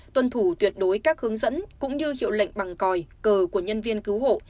tuân thủ tuyệt đối các hướng dẫn cũng như hiệu lệnh bằng còi cờ của nhân viên cứu hộ